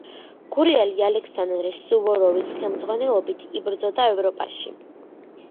გურიელი ალექსანდრე სუვოროვის ხელმძღვანელობით იბრძოდა ევროპაში.